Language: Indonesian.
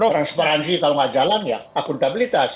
transparansi kalau nggak jalan ya akuntabilitas